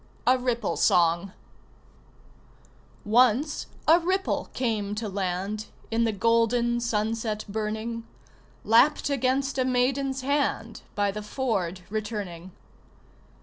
A RIPPLE SONG Once a ripple came to land In the golden sunset burning Lapped against a maiden's hand, By the ford returning.